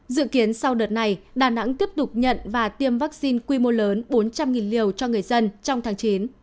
dự kiến sau đợt này đà nẵng tiếp tục nhận và tiêm vaccine quy mô lớn bốn trăm linh liều cho người dân trong tháng chín